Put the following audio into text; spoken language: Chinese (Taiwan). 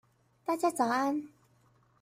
大家早安